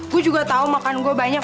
gue juga tau makan gue banyak